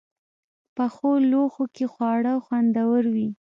پخو لوښو کې خواړه خوندور وي